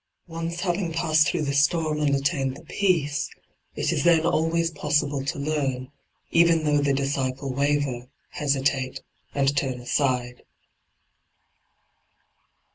Once having passed through the storm and attained the peace, it is then always possible to learn, even though the disciple waver, hesitate, and turn aside.